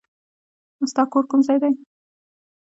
ستا کور کوم ځای دی؟